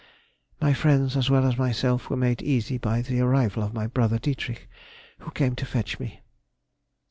_—My friends as well as myself were made easy by the arrival of my brother Dietrich, who came to fetch me.